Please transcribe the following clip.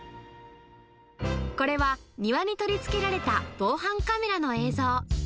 これは、庭に取り付けられた防犯カメラの映像。